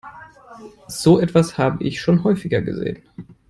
So etwas habe ich schon häufiger gesehen.